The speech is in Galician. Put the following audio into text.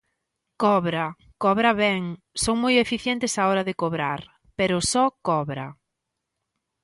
Cobra, cobra ben, son moi eficientes á hora de cobrar, pero só cobra.